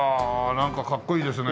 なんかかっこいいですね。